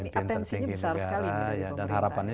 tengking negara dan harapannya